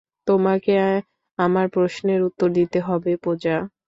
তোমাকে আমার প্রশ্নের উত্তর দিতে হবে পূজা।